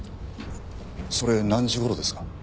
それ何時頃ですか？